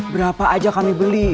berapa aja kami beli